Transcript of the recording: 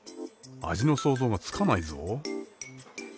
味の想像がつかないぞ。